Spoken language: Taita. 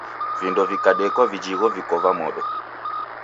Vindo vikadekwa vijhigho viko va modo.